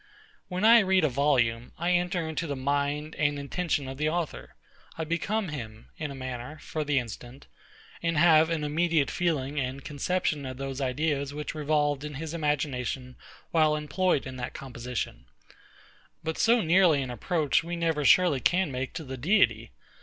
When I read a volume, I enter into the mind and intention of the author: I become him, in a manner, for the instant; and have an immediate feeling and conception of those ideas which revolved in his imagination while employed in that composition. But so near an approach we never surely can make to the Deity.